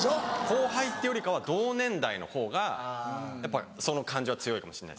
後輩っていうよりかは同年代のほうがその感情は強いかもしれないですね。